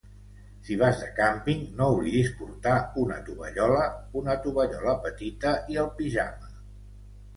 Si vas de càmping, no oblidis portar una tovallola, una tovallola petita i el pijama